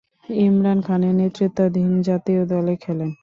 ইমরান খানের নেতৃত্বাধীন জাতীয় দলে খেলেন।